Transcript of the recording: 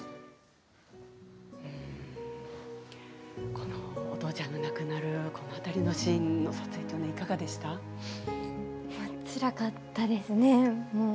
このお父ちゃんが亡くなるこの辺りのシーンの撮影もうつらかったですね。